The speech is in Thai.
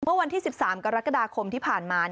เมื่อวันที่๑๓กรกฎาคมที่ผ่านมา